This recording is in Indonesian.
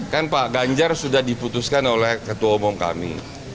kan pak ganjar sudah diputuskan oleh ketua umum kami